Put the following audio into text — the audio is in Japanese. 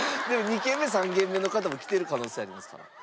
でも２軒目３軒目の方も来てる可能性ありますから。